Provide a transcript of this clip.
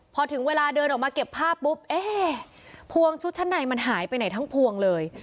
พอถึงเวลาเดินออกมาเก็บผ้าปุ๊บเอ๊ะพวงชุดชั้นในมันหายไปไหนทั้งพวงเลย